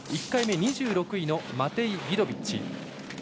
１回目２６位のマテイ・ビドビッチ。